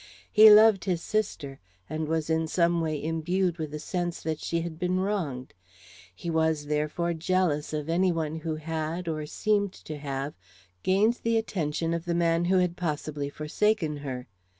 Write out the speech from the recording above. He loved his sister, and was in some way imbued with a sense that she had been wronged. He was, therefore, jealous of any one who had, or seemed to have, gained the attention of the man who had possibly forsaken her.